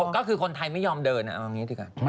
ก็คือคนไทยไม่ยอมเดินเอาอย่างนี้ดีกว่า